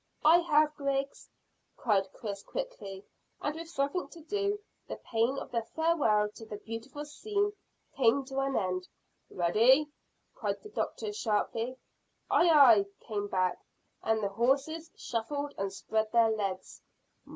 "I have, Griggs," cried Chris quickly, and, with something to do, the pain of the farewell to the beautiful scene came to an end. "Ready?" cried the doctor sharply. "Aye, aye!" came back, and the horses shuffled and spread their legs.